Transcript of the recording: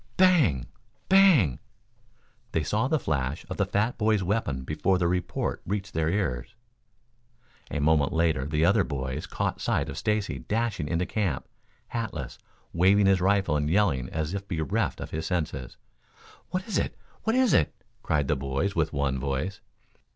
Bang! Bang! They saw the flash of the fat boy's weapon before the report reached their ears. A moment later the other boys caught sight of Stacy dashing into camp, hatless, waving his rifle and yelling as if bereft of his senses. "What is it? What is it?" cried the boys with one voice.